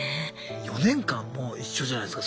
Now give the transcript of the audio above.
４年間も一緒じゃないすか